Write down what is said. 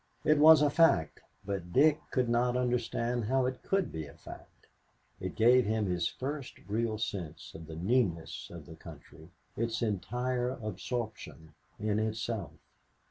It was a fact, but Dick could not understand how it could be a fact. It gave him his first real sense of the newness of the country, its entire absorption in itself.